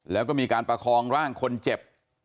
แล้วก็มีการประคองร่างคนเจ็บ